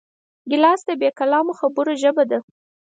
ګیلاس د بېکلامو خبرو ژبه ده.